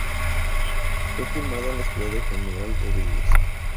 Fue filmada en la ciudad de General Rodríguez.